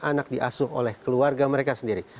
anak diasuh oleh keluarga mereka sendiri